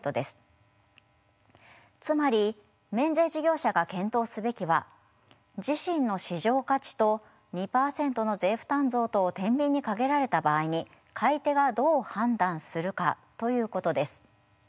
つまり免税事業者が検討すべきは自身の市場価値と２％の税負担増とをてんびんにかけられた場合に買い手がどう判断するかということです。